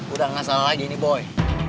udah nggak salah lagi ini boy